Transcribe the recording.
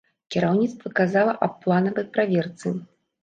Кіраўніцтва казала аб планавай праверцы.